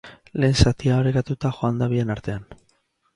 Lehen zatia orekatuta joan da bien artean.